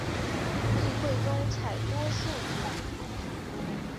议会中采多数决。